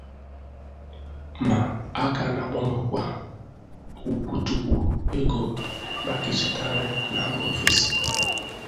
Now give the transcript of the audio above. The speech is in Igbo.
ma A kana agbanwekwa ukwutukwu ego maka ịzụta nri na mba ofesi